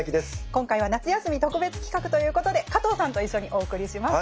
今回は夏休み特別企画ということで加藤さんと一緒にお送りします。